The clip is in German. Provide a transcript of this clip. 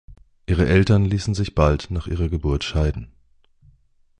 Ihre Eltern ließen sich bald nach ihrer Geburt scheiden.